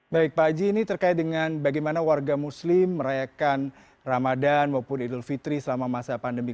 baik pak haji ini terkait dengan bagaimana warga muslim merayakan ramadan maupun idul fitri selama masa pandemi